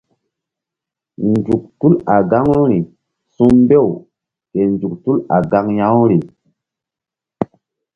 Nzuk tul a gaŋuri su̧mbew ke nzuk tul a gaŋ ya-uri.